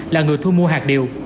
là người thu mua hạt điều